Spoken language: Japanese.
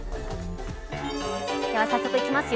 早速、いきますよ。